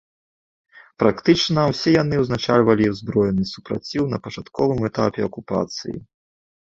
Практычна ўсе яны ўзначальвалі ўзброены супраціў на пачатковым этапе акупацыі.